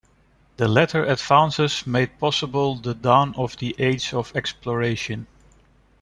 The latter advances made possible the dawn of the Age of Exploration.